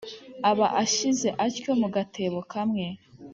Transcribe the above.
aba ashyize atyo mu gatebo kamwe